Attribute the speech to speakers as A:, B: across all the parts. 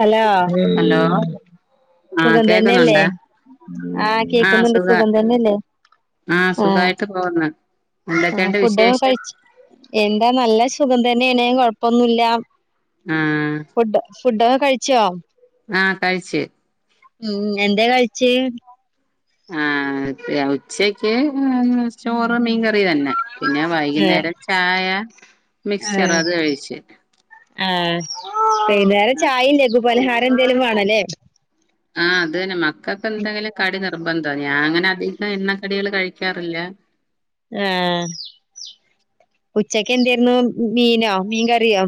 A: Hello
B: hello ആഹ്
A: സുഖം തന്നെയല്ലേ
B: കേക്കുന്നുണ്ടാ
A: ആഹ് കേക്കുന്നുണ്ട് സുഖം തന്നെയല്ലേ
B: ആഹ് സുഖായിട്ട് പോകുന്നു
A: ആഹ്
B: എന്തൊക്കെയുണ്ട്
A: ഫുഡൊക്കെ
B: വിശേഷം
A: കഴിച്ച് എന്താ നല്ല ശുഖം തന്നേണ് കൊഴപ്പൊന്നുല്ല
B: ആഹ്
A: ഫുഡ് ഫുഡ്ഡൊക്കെകഴിച്ചോ
B: ആഹ് കഴിച്ച്
A: ഉം എന്തേ കഴിച്ചേ
B: ആഹ് അത് ഉച്ച്ക്ക് ചോറ് മീൻകറി തന്നെ പിന്നെ
A: ആഹ്
B: വൈകുന്നേരം ചായ മിക്സ്ച്ചറ്
A: ആഹ്
B: അത് കഴിച്ച്
A: ആഹ് വൈന്നേരം ചായിം ലഘു പലഹാരം എന്തേലും വേണല്ലേ
B: ആഹ് അതെന്നെ മക്കക്കെന്തെങ്കിലും കടി നിർബന്ധ ഞാ അങ്ങനധികം എണ്ണക്കടികള് കഴിക്കാറില്ല.
A: ആഹ് ഉച്ചക്കെന്തേയിരുന്നു മീനോ മീൻ കറിയോ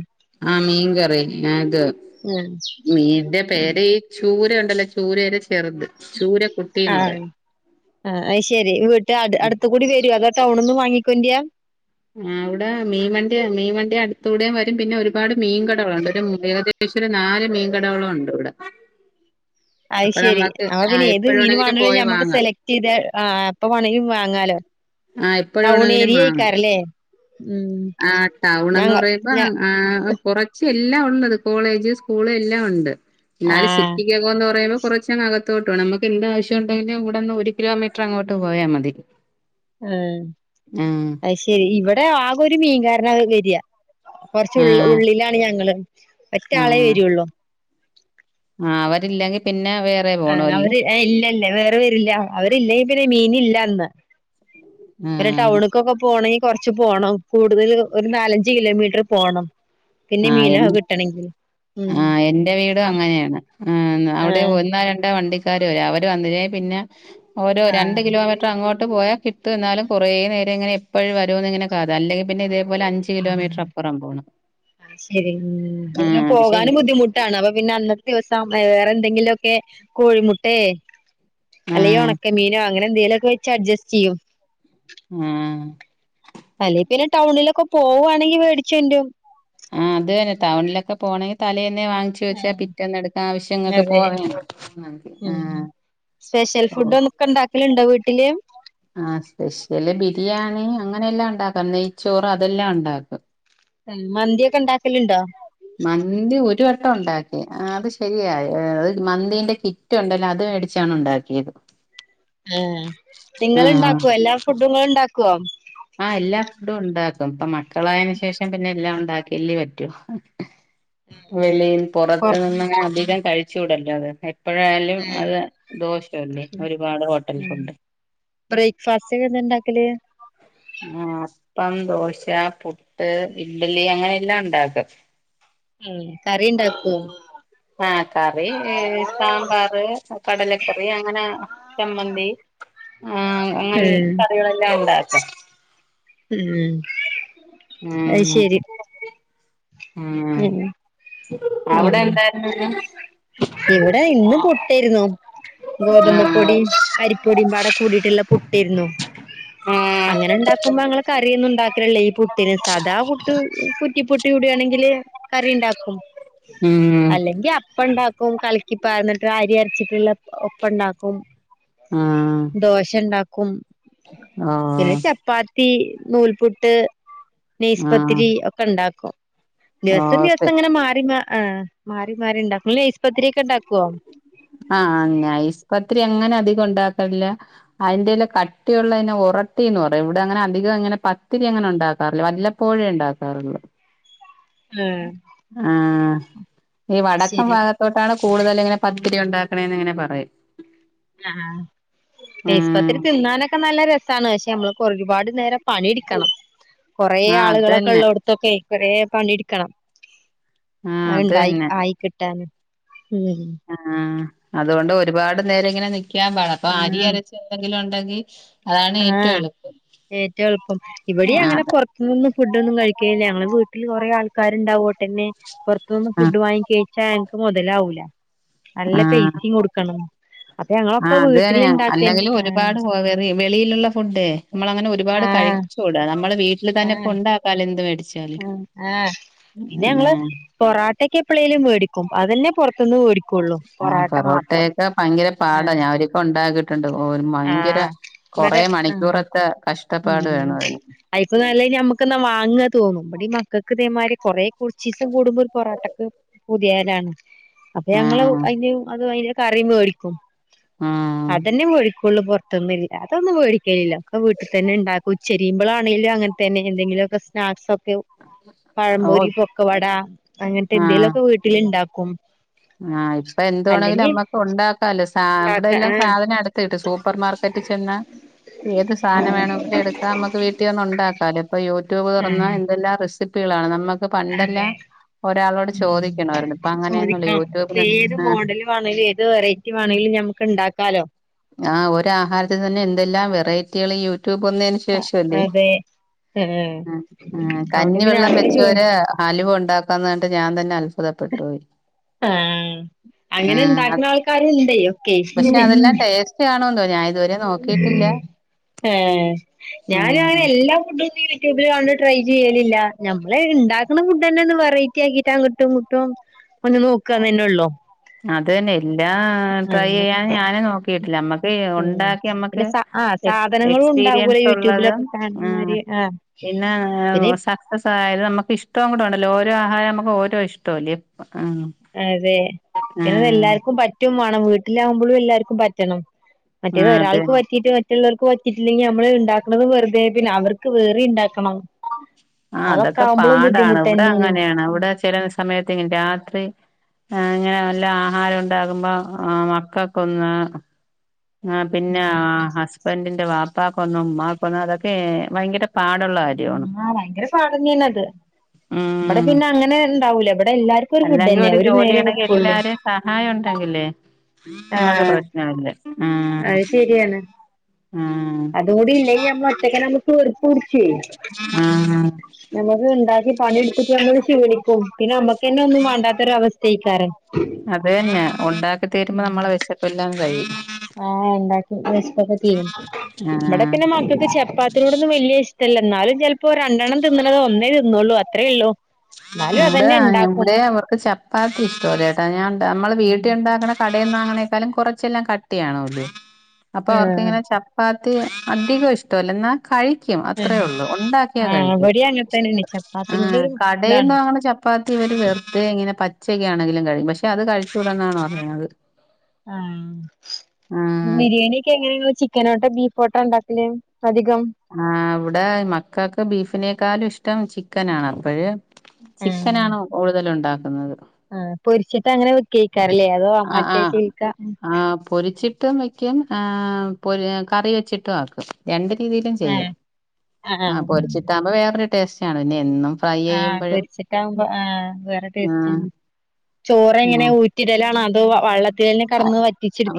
B: ആഹ് മീൻകറി അത്
A: ആഹ്
B: മീന്റെ പേര് ചൂരെണ്ടല്ലൊ ചൂരേരെ
A: ആഹ് ആഹ് അയ്‌ശരി വീട്ട് അട് അടുത്ത്‌കൂടി വരൊ അതൊ ടൗണിന്ന് വാങ്ങിക്കൊണ്ടിയ
B: ആഹ് അവിടെ മീൻവണ്ടി മീൻവണ്ടി അടുത്തൂടെയും വരും പിന്നെ ഒരുപാട് മീൻ കടകളൊണ്ട് ഒര് ഏക ദേശം ഒരു നാല് മീൻകടകളൊണ്ട് ഇവിട
A: അയ്‌ശരി അപ്പ
B: ആ
A: പിന്നെ ഏത് മീൻ
B: എപ്പോഴാണെങ്കിലും
A: വേണേലും
B: പോയി
A: ഞമ്മക്ക്
B: വാങ്ങാം
A: സെല ക്ട് ചെയ്ത് ആഹ് എപ്പ വേണേലും വാങ്ങാലോ
B: ആഹ് എപ്പഴ്
A: ടൗൺ
B: വേണെങ്കിലും
A: ഏരിയ
B: വാങ്ങാം.
A: ആയിക്കാരല്ലേ ഉം
B: ആഹ് ടൗണന്ന്
A: ഞങ്ങ
B: പറയുമ്പാ
A: ഞ
B: ആഹ് കുറച്ച് എല്ലാം ഉള്ളത് കോളേജ് സ്കൂള് എല്ലാം ഒണ്ട്
A: ആ
B: എന്നാല് സിറ്റിക്ക കോന്നു പറയുമ്പ കൊറച്ചങ്ങ് അകത്തോട്ട് പോണം നമുക്ക് എന്താവശ്യണ്ടെങ്കിലും ഇവിടെന്ന് ഒരു കിലോമീറ്റർ അങ്ങോട്ട് പോയാ മതി.
A: ഏഹ്
B: ആ
A: അയ് ശരി ഇവിടെ ആകെ ഒരു മീൻകാരനാ വരിയാ കൊറച്ച്
B: ആ
A: ഉള്ളി ഉള്ളിലാണ് ഞങ്ങള് ഒറ്റ ആളേ വരൊള്ളു
B: ആഹ് അവരില്ലെങ്കി പിന്നെ വേ
A: ആഹ് അവര് ഇല്ലല്ലേ വേറെ വെരില്ല അവരില്ലെ പിന്നെ മീന് ഇല്ല അന്ന്.
B: ആ
A: ഇവരെ ടൗണക്കൊക്കെ പോണങ്കി കൊറച്ച് പോണം കൂടുതൽ ഒരു നാലഞ്ച് കിലോമീറ്ററ് പോണം. പിന്നെ
B: ആ
A: മീനോ
B: എൻ
A: കിട്ടണെങ്കില്
B: ആഹ് എന്റെ വീടും അങ്ങനെയാണ് ഏഹ്
A: ആ
B: അവിടെ ഒന്നോ രണ്ടോ വണ്ടി ക്കാര് വരും അവര് വന്നില്ലെങ്കി പിന്നെ ഓരോ
A: ആ
B: രണ്ട് കിലോമീറ്റർ അങ്ങോട്ട് പോയാ കി ട്ടും എന്നാലും കുറേ നേരം ഇങ്ങനെ എപ്പഴ് വരുവന്ന് ഇങ്ങനെ കാത് അല്ലെങ്കി പിന്നെ ഇതേപോലെ അഞ്ച്
A: ആ
B: കിലോമീറ്ററ് അപ്പറംപോണം.
A: അത് ശരി ഉം പിന്നെ
B: പക്ഷെ
A: പോകാനും ബുദ്ധിമു ട്ടാണ് അപ്പൊ പിന്നെ അന്നത്തെ ദിവസം വേറെന്തെങ്കിലുക്കെ കോഴിമുട്ടേ. അല്ലെങ്കി
B: ആഹ്
A: ഒണക്കമീനോ അങ്ങനെ എന്തേലുക്കെ വെച്ച് അഡ്ജസ്റ്റ് ചെയ്യും
B: ആഹ്
A: അല്ലേ പിന്നെ ടൗണിലൊക്കെ പോവാണെങ്കി മേടിച്ചെന്റരും.
B: ആഹ് അത് തന്നെ ടണിലൊക്കെ പോണെങ്കി തലേന്നെ വാങ്ങിുവെച്ചാ പിറ്റന്നെ എടുക്ക ആവശ്യംങ്ങൾക്ക്
A: അതെ
B: പോവേ.. ഉം
A: ഉം സ്പെഷ്യൽ ഫുഡ് ഒന്നൊക്കെ ഇണ്ടാക്കലുണ്ടോ വീട്ടില്
B: ആഹ സ്പെഷ്യല് ബിരിയാണി അങ്ങനെയെല്ലാം ഉണ്ടാക്കാം നെയ്ച്ചോറ് അതെല്ലാംണ്ടാക്കും.
A: മന്തിക്കെ ണ്ടാക്കലുണ്ടോ?
B: മന്തി ഒരു വട്ടം ഉണ്ടാക്കി അത് ശരിയായി മന്തിന്റെ കി.. കിറ്റുണ്ടല്ലോ അത് മേടിച്ചാണ് ണ്ടാക്കിയത്.
A: ആ
B: ആഹ്
A: നിങ്ങള്ണ്ടാക്കുവോ എല്ലാ ഫുഡ് ങ്ങളുംണ്ടാക്കോ
B: ആഹ എല്ലാ ഫുഡും ഉണ്ടാക്കും ഇപ്പ മക്കളായതിന് ശേഷം പിന്നെ എല്ലാം ഉണ്ടാക്കി. ല്ലി പറ്റോ വെളി
A: പൊറത്ത്
B: പുറത്ത്നിന്ന അധികം കഴി... ചൂടല്ലോ അത് എപ്പോഴായാലും അത് ദോഷംല്ലേ ഒരുപാട് ഹോട്ടൽ ഫുഡ്.
A: ബ്രേക്ക്ഫാസ്റ്റ്ന്താ ണ്ടാക്കല്.
B: ആ അപ്പം 'ദോശ 'പുട്ട് 'ഇഡ്ലി അങ്ങനെല്ലാംണ്ടാക്കും
A: ഉം കറി ഉണ്ടാകൊ..
B: ആ കറി സാമ്പാർ കടലക്കറി അങ്ങനെ ചമ്മന്തി ആ അങ്ങനെ
A: ഉം
B: കറികളെല്ലാം ഉണ്ടാക്കാം
A: ഉം അത്
B: ഉം
A: ശരി ഉം
B: ആ അവിടെ
A: ആഹ്
B: എന്തായിരുന്നു.
A: ഇവിടെ ഇന്ന് പുട്ടെയ്ര്ന്നു ഗോതമ്പ്
B: ആഹ്
A: പൊടിം അരിപ്പൊടിം പാടെ കൂടിയിട്ടുള്ള പുട്ടേയ്ര്ന്നു
B: ആഹ്
A: അങ്ങനെണ്ടാക്കുമ്പോ ഞങ്ങള് കറിയന്നും ഉണ്ടാക്കില്ലല്ലേ ഈ പുത്തിന് സദാ പുട്ട് ഹ് കുറ്റിപുട്ട് ഇവിടയാണെങ്കില് കറി ഇണ്ടാക്കും
B: മ്മ്
A: ഇപ്പണ്ടാക്കും കലക്കിപ്പാർന്ന്ട്ട് അരി അരച്ചിട്ട്ള്ള ഉപ്പണ്ടാക്കും
B: ആഹ്
A: ദോശണ്ടാക്കും പിന്നെ
B: ഓഹ്
A: ചപ്പാത്തി നൂൽപുട്ട്
B: ആഹ്
A: നെയ്സ്പത്തിരി ഒ ഇപ്പണ്ടാക്കും ദിവസം
B: ഓഹ് ശെ
A: ദിവസം ഇങ്ങനെ മാറി മാ ആ മാറി മാറിണ്ടാക്കും [unintelligible] പത്തിരിയൊക്കെണ്ടാക്കോ
B: ആഹ് നെയ്സ്പത്തിരി അങ്ങനെ അധികം ഉണ്ടാക്കലില്ല അതിന്റെല്ലേ കട്ടിയുള്ളതിനെ ഉറട്ടിന്ന് പറയും ഇവിടെങ്ങനെ അധികം ഇങ്ങനെ പത്തിരിങ്ങനെ ഉണ്ടാക്കാറില്ല വല്ല പ്പോഴേണ്ടാക്കാറുള്ളൂ
A: ആഹ്
B: ആഹ് ഈ വടക്കം
A: ശരി
B: ഭാഗത്തോട്ടാണ് കൂടുതൽ ഇങ്ങനെ പ ത്തിരിണ്ടാക്കണന്ന്ങ്ങനെ പറയും
A: ആഹ് നെയ്സ്പത്തിരി
B: ആഹ്
A: തിന്നാനൊക്കെ നല്ല രസ സാണ് ക്ഷേ നമ്മളിപ്പോരുപാട് നേരം പണിട്ക്കണം കൊറേ
B: ആഹ് അത്
A: ആളുകളൊക്കെ
B: തന്നെ
A: ഉള്ളടു ടുത്തൊക്കെ കൊറേ പണിട്ക്കണം
B: ആഹ് അത്
A: അത്ണ്ടായി
B: തന്നെ
A: ആയി കിട്ടാന് ഹ്മ്മ്
B: ആഹ് അതുകൊണ്ട് ഒരുപാട് നേരങ്ങനെ നിക്കാൻ പാട അപ്പൊ അരി അരച്ച് എന്തെങ്കിലും ഉണ്ടെങ്കി അതാണ്
A: ആഹ
B: ഏറ്റവും എളുപ്പം
A: ഏറ്റും എളുപ്പം ഇവിടെ
B: ആഹ്
A: അങ്ങനെ കുർ ത്ത്‌ന്നും ഫുഡോന്നും കഴിക്കില്ല ഞങ്ങളെ വീട്ടില് കുറെ ആൾക്കാരുണ്ടാവോട്ടെന്നെ പുറത്തുന്ന്
B: ആഹ്
A: ഫുഡ് വാങ്ങി കഴിച്ചാങ്ങക്ക് മുതലാവൂല നല്ല
B: ആഹ്
A: പൈസിം കൊടുക്കണം അപ്പൊ ഞങ്ങളൊക്കെ
B: ആഹ്
A: വീട്ടില്ണ്ടാക്കന്നെ ആ
B: വെ വെളിയിലുള്ള ഫുഡേ മ്മള്ങ്ങനെ ഒരുപാട്
A: ആഹ്
B: കഴിച്ചൂടാ നമ്മള് വീട്ടില്തന്നെ ഇപ്പൊണ്ടാക്കലോന്ത് മേടിച്ചും
A: അ ആ പിന്നെ ഞങ്ങള്
B: ആഹ്
A: പൊറാട്ടക്കേ എപ്പളേലും വേടിക്കും അതന്നെ പുറത്തന്ന് വേടി
B: ആഹ് പൊറോട്ടയൊക്കെ ഭയങ്കര പാടാ
A: ആഹ്
B: ഞാൻ രിക്കെണ്ടാക്കിട്ടുണ്ട് ഭയങ്കര
A: ആഹ്
B: കൊറെ
A: ഇവിടെ ആഹ്
B: മണിക്കൂറത്തെ കഷ്ടപ്പാട്
A: ഉം
B: വേണതിന്
A: അയിക്കും നല്ലത് ഞമ്മക്ക്ന്ന വാങ്ങ തോന്നും. ബടിം മക്കക്ക്തേമാരി കുറെ കുർച്ചീസും കൂടുമ്പോ ഒരു പൊറോട്ടക്ക് പൂത്യാവലാണ് അപ്പൊ ഞങ്ങള്
B: ആഹ്
A: അയിന്റെം അതു അയിന്റെ കറിം വേടിക്കും
B: ആഹ്
A: അതന്നെ വേടി ഫുള്ള്പുറത്തൊന്നില്ല അതൊന്നുവേടിക്കലില്ല ഒക്ക വീട്ട് തന്നെ ണ്ടാക്കു ച്ചരിമ്പളാണെലു അങ്ങൻ തെന്നെ എന്തെങ്കിലൊക്ക സ്നാക്സൊക്കെ, പഴമ്പൊരി,
B: ഓഹ്
A: പൊക്കവട,
B: ആഹ്
A: അങ്ങൻത്തെന്തേലൊക്കെ വീ ട്ടില്ണ്ടാക്കും
B: ആഹ് ഇപ്പൊ എന്തുവേണെങ്കിലും നമ്മക്ക് ഉണ്ടക്കാല്ലോ, സ ഇവിടെ
A: ഉണ്ടാക്ക
B: എല്ലാം
A: ആഹ്
B: സാധനം അടുത്ത്‌ കിട്ടും, സൂപ്പർമാർക്ക ക്കറ്റ് ചെന്ന ഏത് സാനം വേണോങ്കിലും എടുക്കാംമക്ക് വീ ട്ടീന്നുണ്ടാക്കാലോ, ഇപ്പ യൂട്യൂബ് തൊറന്ന
A: ആഹ്
B: എന്തെല്ലാ റെസിപ്പികളാണ് നമ്മ പണ്ടല്ല
A: അതെ
B: ഒരാളോട് ചോദിക്കണവാര്ന്നു ഇപ്പ അങ്ങനെന്നുല്ല യു
A: പ്പേത് മോഡല് വാണേലും ഏത് വെറൈറ്റി വാണേലും ഞമക്ക്ണ്ടാക്കാലൊ
B: ആഹ് ഒരു ആഹാരത്തില് തന്നെ എന്തെല്ലാ വെറൈറ്റികള് യു റ്റൂബ് വന്നയ്ന് ശേഷവല്ലേ.
A: അതെ
B: ആഹ് ആഹ്
A: അതൊണ്ട് പിന്നെ
B: കഞ്ഞിവെള്ളം
A: അങ്ങനെ
B: വെച്ച്
A: ചോദി
B: വരെ അലുവ ഉണ്ടാക്കാന്ന് പറഞ്ഞിട്ട് ഞാൻ തന്നെ അത്ഭുതപ്പെട്ടോയി
A: ആഹ്
B: ആഹ്
A: അങ്ങനെണ്ടാക്ക്ണ ആൾക്കാരു ഇണ്ടയ്
B: പക്ഷെ അതെല്ലാം ടേസ്റ്റ് ആണോന്തോ ഞാ
A: [unintelligible] ഏ ഞാനുങ്ങനെ
B: ആഹ്
A: എല്ലാ ഫുഡും [unintelligible] യൂട്യൂബില് കണ്ട് ട്രൈ ചെയ്യലില്ല. ഞമ്മള് ഇണ്ടാക്കണേ ഫുഡന്നെ ഒന്ന് വെറൈറ്റിക്കിട്ടങ്ങട്ടും ങ്ങട്ടും ഒന്ന് നോക്കാന്ന്ന്നെ ള്ളു
B: അത് തന്നെ എല്ലാം ട്രൈ
A: അങ്ങനെ
B: ചെയ്യാൻ ഞാനും നോക്കിട്ടില്ല. ഞമ്മക്ക്
A: ഉം പിന്നെ
B: ഉണ്ടാക്കിയമ്മക്ക്
A: സ ആഹ്
B: എക്സ്
A: സാധനങ്ങളും ഉണ്ടാവൂലോ
B: എക്സ്പീരിയൻസുള്ളത്
A: യൂട്യൂബിലൊക്കെ
B: ആഹ്
A: കാണുന്നമാതിരി
B: പിന്നെ
A: പിന്നെ
B: സക് സക്സസായാലും നമ്മക്ക് ഇഷ്ടവും കൂടെ ഉണ്ടല്ലോ, ഓരോ ആഹാരം നമ്മക്ക് ഓരോ ഇഷ്ട്ടോല്ലേ ആഹ്
A: അതെ, പിന്നത്
B: ആഹ്
A: എല്ലാര്ക്കും പറ്റും വാണം വീട്ടിലാകുമ്പളും എല്ലാര്ക്കും പറ്റണം മറ്റേത്
B: ആഹ് അതെ
A: ഒരാൾക്ക് പറ്റിട്ട് മ റ്റ്ള്ളോര്ക്ക് പറ്റീറ്റില്ലെങ്കി അമ്മള് ഇണ്ടാക്ക്ണതും വെർതായി, പിന്നെ അവർക്ക് വേറീണ്ടാക്കണം
B: ആഹ് അതൊക്കെ പാടാണ്,
A: തന്നെയാണ്
B: ഇവ്ടങ്ങനേണ്, ഇവ്ടെ ചെല സമയത്ത്ങ്ങെ രാത്രി ഞാൻ ഇങ്ങനെ നല്ല ആഹാരം ഉണ്ടാകുമ്പോ, ആഹ് മക്കൊക്കൊന്ന് ആഹ് പിന്നെ ആഹ് ഹസ്ബന്റിന്റെ വാപ്പക്കൊന്നും ഉമ്മാക്കൊന്നും അതൊക്കേ ഭയങ്കര പാടുള്ള കാര്യമാണ്
A: ആഹ് ഭയങ്കര സ്വാതെന്നേണത്. ബടെ പിന്നെ അങ്ങനെ ഇണ്ടാവൂല ബടെ എല്ലാര്
B: അല്ലെങ്കി ഒരു ജോലിചെയ്യണങ്കിൽ എല്ലാരേം സഹായം ഒണ്ടങ്കില്ലേ നമ്മക്ക്
A: ആഹ്
B: പ്രശ്നവില്ല, ആഹ് ആഹ്
A: അതൂടില്ലെങ്കി നമ്മള് ഒറ്റക്കെന്നെ ഞമ്മക്ക് വെർപ്പുട്ച്ചോയ്
B: ആഹ്
A: ഞമ്മക്ക് ണ്ടാക്കി പണി ഇട്ത്ത്ട്ട് നമ്മള് ശീണിക്കും.
B: അതേന്നെ. ഒണ്ടാക്കി തീരുമ്പോ
A: ഉം
B: നമ്മളെ വെശ പ്പെല്ലാം കഴിയും
A: ആഹ് ഇണ്ടാക്കി, വെശപ്പൊക്കെ തീയ്യും വടെ
B: ആഹ്
A: പിന്നെ മക്കക്ക് ചെപ്പാ ത്തിനോടൊന്നും വെല്ല്യേ ഇഷ്ട്ടല്ല ന്നാലും ചെൽപ്പോ രണ്ടെണ്ണം തിന്നണത് ഒന്നേ തിന്നൊള്ളൂ അത്രേള്ളു
B: ഇവിടേ അങ്ങ ഇവിടെയും അവർക്ക് ചപ്പാത്തി ഇഷ്ടവ കേട്ടോ, ഞാൻ ഞമ്മള് വീട്ടിഉണ്ടാക്കണ കടേന്ന് വാങ്ങ്ണേക്കാലും, കൊറച്ചെല്ലാം കട്ടിയാണോല്ലോ, അപ്പൊ
A: ആഹ്
B: അവർക്കിങ്ങനെ ചപ് പ്പാത്തി അധികം ഇഷ്ട്ടവല്ല ന്നാ കഴിക്കും,
A: ആഹ്
B: അത്രേഒള്ളൂ, ഉണ്ടാക്യാ
A: ആഹ്
B: കഴിക്കും.
A: ഇവിടെയും അങ്ങനെ തന്നെയാണ് ചപ്പാത്തിനോട്
B: ആഹ്
A: ഒരു ഇതാണ്
B: കടേന്ന് വാങ്ണ ചപ്പാത്തി ഇവര് വെർതേ ഇങ്ങനെ പച്ചക്കാണെങ്കിലും കഴിക്കും. പക്ഷേ അത് കഴിച്ചൂടന്നാണ് പറയുന്നത്
A: ഏഹ്
B: ആഹ്
A: ബിര്യേണിക്കെങ്ങനേ ങ്ങള് ചിക് ചിക്കനോട്ട ബീഫോട്ട ണ്ടാക്കല് അധികം
B: ആഹ് അവ്ടെ മക്കക്ക് ബീഫിനേക്കാലും ഇഷ്ട്ടം ചിക്കനാണ് അപ്പഴ്
A: ആഹ്
B: ചിക്കനാണ് കൂടുതലുണ്ടാക്കുന്നത്.
A: ആഹ് പൊരിച്ചിട്ടങ്ങനെ വെക്കാകാരല്ലേ, അതോ
B: ആഹ്
A: മറ്റേ
B: ആഹ്
A: ചേൽക്കാ
B: ആഹ് പൊരിച്ചിട്ടും വെക്കും, ആഹ് പൊരി കറി വെച്ചിട്ടും ആക്കും, രണ്ട് രീതീലും ചെയ്യും.
A: ആഹ്
B: ഏഹ്.. ആഹ് പൊരിച്ചിട്ടാവുമ്പോ വേറൊരു ടേസ്റ്റാണ്. പിന്നെ എന്നും ഫ്രൈ
A: ആഹ്
B: ചെയ്യുമ്പഴും
A: പൊരിച്ചിട്ടാകുമ്പോ ആഹ് വേറെ
B: ആഹ്
A: ടേസ്റ്റാണ് ചോറെങ്ങനെ
B: ആഹ്
A: ഉ ഇടലാണോ അതോ വള്ള [unintelligible] കടന്ന്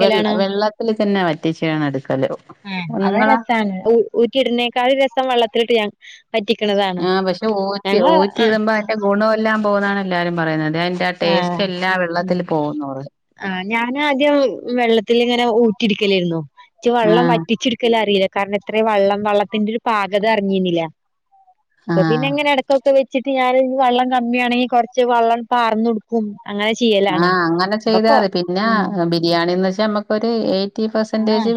B: വെള്ള വെള്ളത്തില് തന്നെ വറ്റിച്ചാണ് എടുക്കല്
A: ആഹ് അത്
B: നിങ്ങളാ
A: രസാണ്. ഊറ്റി ഇട്ന്നേക്കാൾ രസം വള്ളത്തില്ട്ട് ഞാൻ വറ്റിക്ക്ന്നതാണ്
B: ആഹ് പക്ഷെ ഊറ്റി ഊറ്റി ഇട്മ്പോ അതിന്റെ ഗുണോവെല്ലാം പോകുന്നാണ് എല്ലാരും പറയുന്നത്
A: ആഹ്
B: ടേസ്റ്റെല്ലാം
A: ഉം
B: വെള്ളത്തിൽ പോകുന്നുപറഞ്ഞു
A: ആഹ് ഞാനാദ്യം വെള്ളത്തില് ങ്ങനെ ഊറ്റി ഇട്ക്കലേര്ന്നു. ച്ച് വള്ളം
B: ആഹ്
A: വറ്റിച്ച്ട്ക്കലറീല. കാരണം എത്രേ വള്ളം വള്ളത്തിന്റെ ഒര് പാകത അറിഞ്ഞിര്നില. ഇപ്പ
B: ആഹ്
A: പിന്നെങ്ങനെ എടക്കൊക്കെ വെച്ച്ട്ട് ഞാന് വെള്ളം കമ്മിയാണെങ്കി കൊർച്ച് വള്ളം പാർന്നൊട്ക്കും. അങ്ങനെ ചെയ്യെ
B: ആഹ് അങ്ങനെ ചെയ്താതി പിന്നെ ബിരിയാണീന്ന് വെച്ചാ നമ്മക്കൊര് ക എയ്റ്റി
A: ആഹ്
B: പെർസെന്റേജ്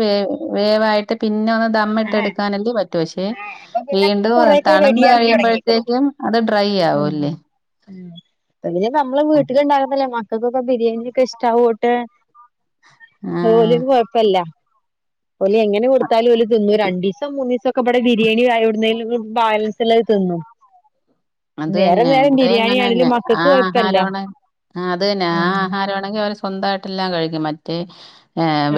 B: വേവായ്റ്റ് പിന്നെ [unintelligible]
A: ആഹ്
B: മ്മിട്ടെട്ക്കാനല്ലേ പറ്റു പക്ഷെ
A: ആഹ് അപ്പൊ പിന്നെ
B: വീണ്ടും
A: കൊറെയൊക്കെ റെഡി
B: തണുന്ന്
A: ആവല് തൊടങ്ങീക്ക്ണു
B: കഴിയുമ്പത്തേക്കും അത് ഡ്രൈ
A: ഉം
B: ആവുല്ലേ
A: അപ്പ പിന്നെ നമ്മളെ വീട്ടില്ണ്ടാകുമ്പല്ലേ മക്കക്കൊക്കെ ബിരിയാണ്യോക്കെ ഇഷ്ട്ടാവോണ്ട്
B: ആഹ്
A: ഓലിക്ക് കൊഴപ്പല്ല ഓല് എങ്ങനെ കൊട്ത്താലും ഓല് ത്ന്നും രണ്ടീസം ദിവസം മൂനീസൊക്കെ ഇവടെ ബിരിയാണി ആയി എവ്ട്ന്നേലും ബാലൻസില്ലത് ത്ന്നും
B: അത് തന്നെ ഇവടെ
A: ബിരിയാണി
B: അങ്ങനെന്നെ
A: ആണെങ്കിലും മക്കൾക്ക്
B: ആഹ്
A: കൊഴപ്പല്ല
B: ആഹാരമാണ് അത് തന്നെ ആഹ് ആഹാര ങ്ങനാണെ സ്വന്തായ്ട്ടെല്ലാം കഴിക്കും മറ്റേ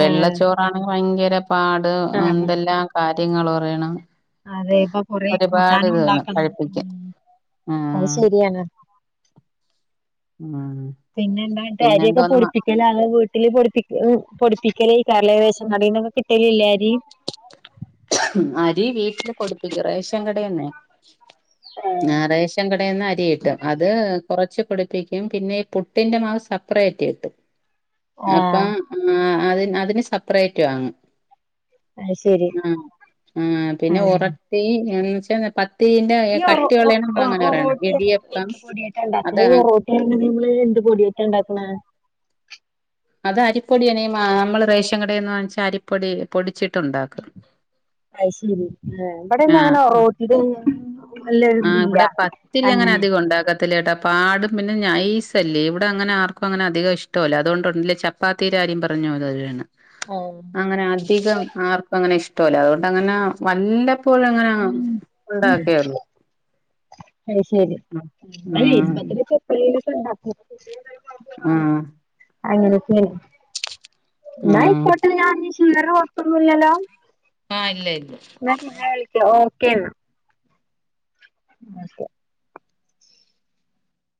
A: ആഹ്
B: ഭയങ്കര പാട്
A: ആഹ്
B: എന്തെല്ലാം കാര്യങ്ങള് പറയണം
A: അതെ ഇപ്പൊ കൊറെ
B: ഒരുപാട്
A: കൂട്ടാനൂ
B: ഇത് വേണം
A: ണ്ടാക്കണം
B: കഴിപ്പിക്കാൻ
A: അയ്
B: ഉം
A: ശരിയാണ്
B: ഉം
A: പിന്നെന്താട്ട അരിയൊക്കെ
B: പിന്നെന്തോന്ന് മ-
A: പൊടിപ്പിക് [unintelligible] വീട്ട്ല് പൊടിപ്പിക്കലൈക്കാരലെ റേഷൻകടേന്നൊക്കെ കിട്ടലില്ലേ അരി
B: അരി വീട്ട്ല് ഇ റേഷം കടേന്നെ ആഹ് റേഷ് ഷം കടേന്നരി കിട്ടും അത് കൊറച്ച് പൊടിപ്പിക്കും പിന്നെ ഈ പുട്ടിന്റെ മാവ് സപ്പറേറ്റ് കിട്ടും
A: [unintelligible]
B: അപ്പം ആഹ് അതിന് അതിന് സെപ്പറേറ്റ് വാങ്ങും
A: അത് ശരി
B: ആഹ് ആഹ് പിന്നെ
A: ഉം
B: ഉറട്ടി എന്നച്ച പത് പിന്നെ
A: ഈ ഒറോ ഒ
B: കട്ടിയൊള്ളേന്
A: ഒ
B: നമ്മളങ്ങനെ പറയണം
A: ഒറോട്ടി എന്ത്
B: ഇടിയപ്പം
A: എന്ത് പൊടിയായിട്ടാ ഇണ്ടാക്ക്ണെ
B: അതാണ് തി
A: [unintelligible] എന്ത് പൊടിയായ്ട്ടാ ണ്ടാക്ക്ണേ
B: അത് അരിപ്പൊടയ്നിമാ നമ്മള് റേഷൻ കടേന്ന് വാങ്ങിച്ച അരിപ്പൊടി പൊടിച്ചിട്ടുണ്ടാക്കും
A: അയ്ശരി ഏ ഇബടൊന്നും
B: ആഹ്
A: അങ്ങനെ ഓറോട്ടിലൊന്നും
B: ആഹ് ഇവടെ പത്തിൽ അങ്ങനെ അധികം ഉണ്ടാക്കത്ത് ത്തില്ലട്ടൊ പാടും പിന്നെ നൈസല്ലേ ഇവിടെ അങ്ങനെ ആർക്കും അങ്ങനെ അധി കൊഷ്ടൊല്ല അതോണ്ട് ഒൺലി ചപ്ത്തി പ്പാത്തീടാര്യം പറഞ്ഞോലൊരണ്ണം
A: ആവും
B: അങ്ങനെ അധികം ആർക്കൊങ്ങനെ ഇഷ്ടൊല്ല അതുകൊണ്ട് അങ്ങനെ വല്ല പ്പോഴൊങ്ങനാ
A: ഉം
B: ഉണ്ടാക്കേള്ളൂ
A: അയ് ശരി അതെ
B: ആഹ്
A: പത്തലൊക്കെ എപ്ലേലൊക്കെണ്ടാക്കേണ്ട്
B: ആഹ്
A: അങ്ങനൊക്കേണ്
B: ആഹ്
A: എന്നായ്ക്കോട്ടെ വേറെ കൊഴപ്പൊന്നുല്ലല്ലോ
B: ആ ഇല്ല ഇല്ല
A: ന്നാ പിന്നെ വിളിക്ക ഓക്കോ ന്നാ ന്നാ ശരി